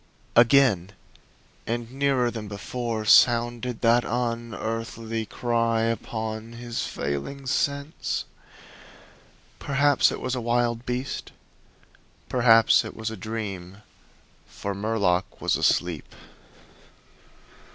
Again, and nearer than before, sounded that unearthly cry upon his failing sense. Perhaps it was a wild beast; perhaps it was a dream. For Murlock was asleep.